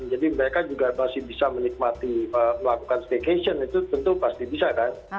jadi mereka juga masih bisa menikmati melakukan staycation itu tentu pasti bisa kan